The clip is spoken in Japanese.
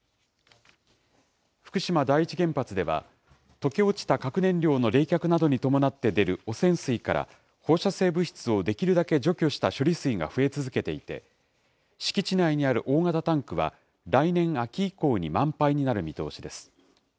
福島第一原発では、溶け落ちた核燃料の冷却などに伴って出る汚染水から放射性物質をできるだけ除去した処理水が増え続けていて、敷地内にある大型タンクは来年秋以降に満杯になる見通しです。